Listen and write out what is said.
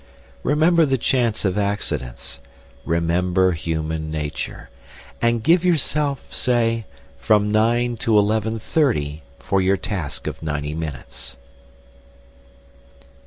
Remember the chance of accidents. Remember human nature. And give yourself, say, from 9 to 11.30 for your task of ninety minutes.